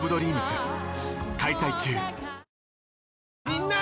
みんな！